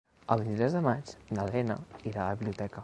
El vint-i-tres de maig na Lena irà a la biblioteca.